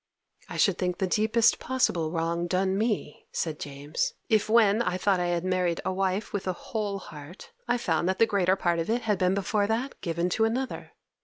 'I should think the deepest possible wrong done me,' said James, 'if, when I thought I had married a wife with a whole heart, I found that the greater part of it had been before that given to another.